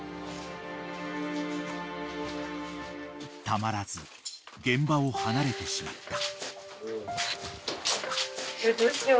［たまらず現場を離れてしまった］